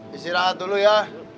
kita istirahat dulu ya